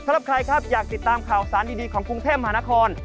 สำหรับใครครับอยากติดตามข่าวสารดีของกรุงเทพมหานคร